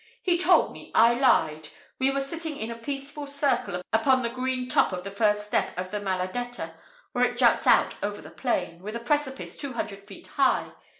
"He told me, I lied! We were sitting in a peaceful circle upon the green top of the first step of the Maladetta, where it juts out over the plain, with a precipice two hundred feet high.